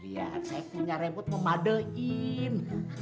lihat saya punya remote memadein